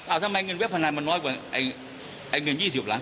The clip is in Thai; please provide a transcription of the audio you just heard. ทำไมเงินเว็บพนันมันน้อยกว่าไอ้เงิน๒๐ล้าน